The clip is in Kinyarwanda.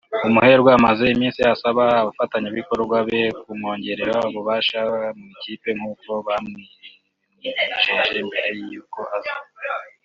umuherwe amaze iminsi asaba abafatanyabikorwa be kumwongera ububasha mu ikipe nk’uko babimwijeje mbere y’uko aza